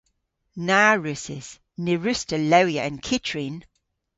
Na wrussys. Ny wruss'ta lewya an kyttrin.